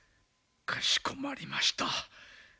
かしこまりました。